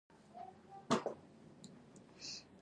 کلشپوره د حصارک په سیمه کې یوه لویه سیمه ده.